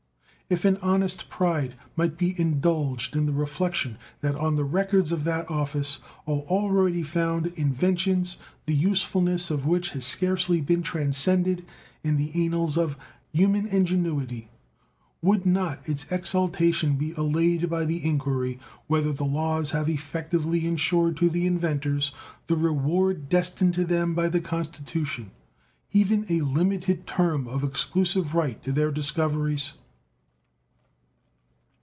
If an honest pride might be indulged in the reflection that on the records of that office are already found inventions the usefulness of which has scarcely been transcended in the annals of human ingenuity, would not its exultation be allayed by the inquiry whether the laws have effectively insured to the inventors the reward destined to them by the Constitution even a limited term of exclusive right to their discoveries?